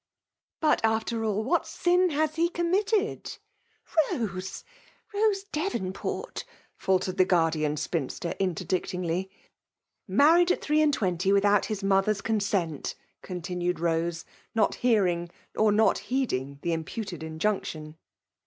'"^ But, after all, what sin has he committed ?"*' Rose — Rose Dcvonport !*' faltered the guardian spinster, interdictingly. '•'Married at three and twenty, without his liother's consent ! continued Rose, not hear lAg, or not heeding the imputed injunction.